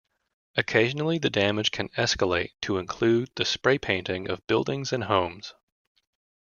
Occasionally, the damage can escalate to include the spray-painting of buildings and homes.